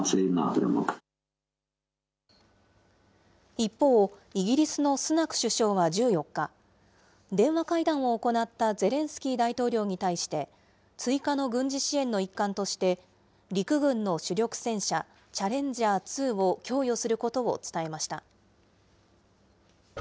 一方、イギリスのスナク首相は１４日、電話会談を行ったゼレンスキー大統領に対して、追加の軍事支援の一環として、陸軍の主力戦車、チャレンジャー２を供与することを伝えました。